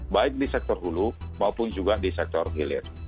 baik di sektor hulu maupun juga di sektor hilir